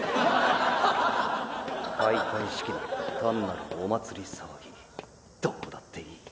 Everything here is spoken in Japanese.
開会式なんて単なるお祭り騒ぎどうだっていい。